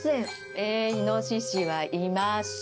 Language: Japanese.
えイノシシはいます。